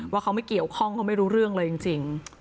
ว่าเขาไม่เกี่ยวข้องเขาไม่รู้เรื่องเลยจริง